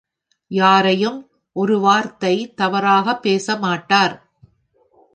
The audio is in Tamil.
யாரையும் ஒரு வார்த்தை தவறாகப் பேசமாட்டார்.